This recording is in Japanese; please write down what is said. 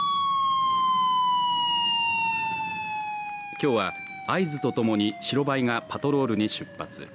きょうは合図とともに白バイがパトロールに出発。